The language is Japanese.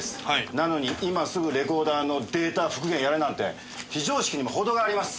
なのに今すぐレコーダーのデータ復元やれなんて非常識にも程があります。